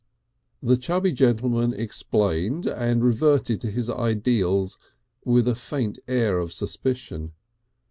The chubby gentleman explained and reverted to his ideals, with a faint air of suspicion.